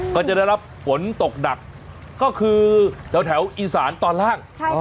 ก็จะได้รับฝนตกหนักก็คือแถวอีสานตอนล่าง